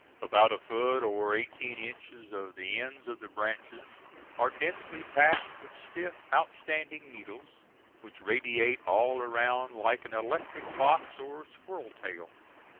About a foot or eighteen inches of the ends of the branches are densely packed with stiff outstanding needles, which radiate all around like an electric fox or squirrel tail.